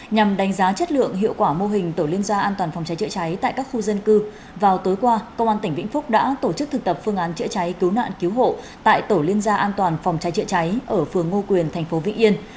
nhằm đánh giá chất lượng hiệu quả mô hình tổ liên gia an toàn phòng cháy chữa cháy tại các khu dân cư vào tối qua công an tỉnh vĩnh phúc đã tổ chức thực tập phương án chữa cháy cứu nạn cứu hộ tại tổ liên gia an toàn phòng cháy chữa cháy ở phường ngô quyền thành phố vĩnh yên